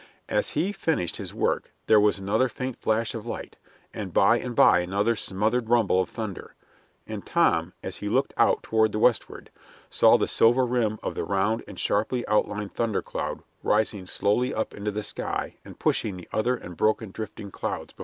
As he finished his work there was another faint flash of light, and by and by another smothered rumble of thunder, and Tom, as he looked out toward the westward, saw the silver rim of the round and sharply outlined thundercloud rising slowly up into the sky and pushing the other and broken drifting clouds before it.